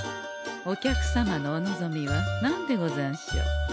お客様のお望みは何でござんしょう？